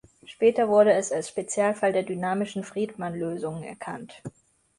Später wurde es als Spezialfall der dynamischen Friedmann-Lösungen erkannt.